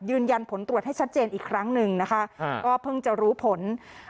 ยืนยันผลตรวจให้ชัดเจนอีกครั้งหนึ่งนะคะก็เพิ่งจะรู้ผล